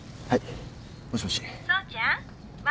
はい。